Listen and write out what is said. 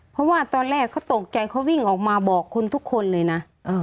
เพราะว่าตอนแรกเขาตกใจเขาวิ่งออกมาบอกคุณทุกคนเลยนะ